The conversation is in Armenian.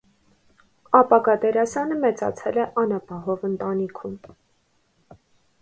Ապագա դերասանը մեծացել է անապահով ընտանիքում։